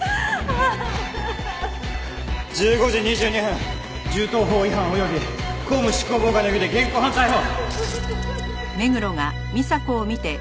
１５時２２分銃刀法違反及び公務執行妨害の容疑で現行犯逮捕！